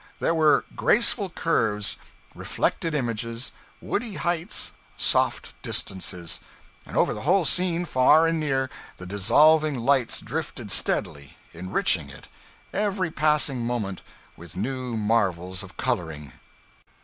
There were graceful curves, reflected images, woody heights, soft distances; and over the whole scene, far and near, the dissolving lights drifted steadily, enriching it, every passing moment, with new marvels of coloring.